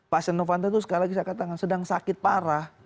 pak setia novanto itu sekali lagi saya katakan sedang sakit parah